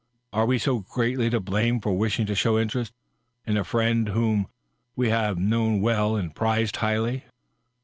Are we so greatly to blame for wishing to show interest in a friend whom we hSve known well and prized highly?"